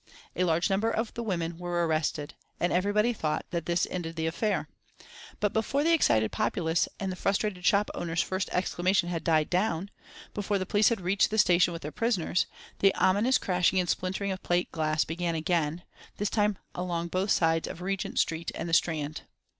A large number of the women were arrested, and everybody thought that this ended the affair. But before the excited populace and the frustrated shop owners' first exclamation had died down, before the police had reached the station with their prisoners, the ominous crashing and splintering of plate glass began again, this time along both sides of Regent Street and the Strand.